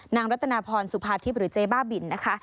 รัตนาพรสุภาทิพย์หรือเจ๊บ้าบินนะคะ